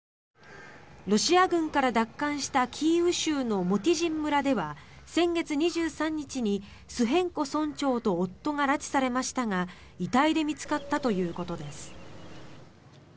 ロシア軍から奪還したキーウ州のモティジン村では先月２３日にスヘンコ村長と夫が拉致されましたが遺体で見つかったということです。